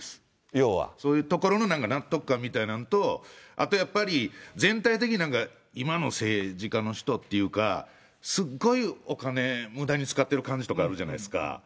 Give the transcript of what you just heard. そういうところの納得感みたいなところと、あとやっぱり全体的になんか今の政治家の人っていうか、すっごいお金むだに使ってる感じとかあるじゃないですか、